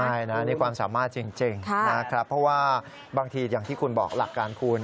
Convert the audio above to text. ใช่นะนี่ความสามารถจริงนะครับเพราะว่าบางทีอย่างที่คุณบอกหลักการคุณ